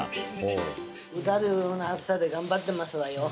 うだるような暑さで頑張ってますわよ